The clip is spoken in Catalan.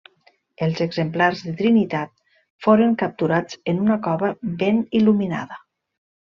Els exemplars de Trinitat foren capturats en una cova ben il·luminada.